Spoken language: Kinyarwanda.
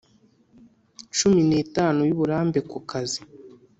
cumi n itanu y uburambe ku kazi